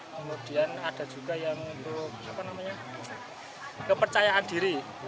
kemudian ada juga yang untuk kepercayaan diri